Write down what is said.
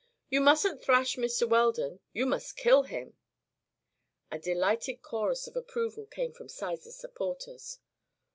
"You mustn't thrash Mr. Weldon; you must kill him." A delighted chorus of approval came from Sizer's supporters.